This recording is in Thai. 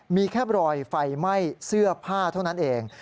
มีแค่รอยไฟไหม้เสื้อผ้าเท่านั้นเอง